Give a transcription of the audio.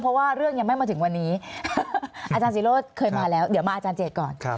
เพราะว่าเรื่องยังไม่มาถึงวันนี้อาจารย์ศิโรธเคยมาแล้วเดี๋ยวมาอาจารย์เจตก่อน